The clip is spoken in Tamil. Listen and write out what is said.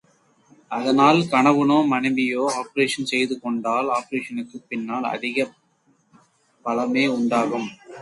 அதனால் கணவனோ மனைவியோ ஆப்பரேஷன் செய்து கொண்டால், ஆப்பரேஷனுக்குப் பின்னால் அதிக பலமே உண்டாகும்.